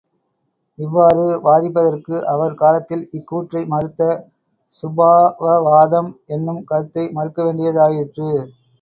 இவ்வாறு வாதிப்பதற்கு, அவர் காலத்தில் இக்கூற்றை மறுத்த சுபாவவாதம் என்னும் கருத்தை மறுக்கவேண்டியதாயிற்று.